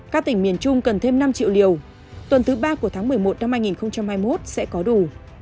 các tỉnh miền trung cần thêm năm triệu liều tuần thứ ba của tháng một mươi một năm hai nghìn hai mươi một sẽ có đủ